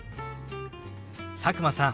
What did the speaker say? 佐久間さん